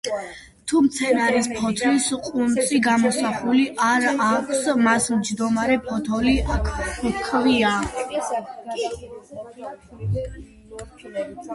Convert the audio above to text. თუ მცენარის ფოთლის ყუნწი გამოსახული არ აქვს, მას მჯდომარე ფოთოლი ჰქვია.